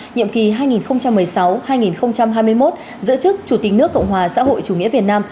nhiệm kỳ hai nghìn một mươi sáu hai nghìn hai mươi một giữa chức chủ tịch nước cộng hòa xã hội chủ nghĩa việt nam